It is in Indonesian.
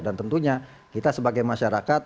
dan tentunya kita sebagai masyarakat